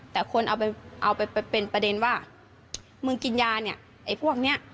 แต่คนเอาไปเป็นประเด็นว่ามึงกินยาเนี่ยไอ้พวกเนี้ย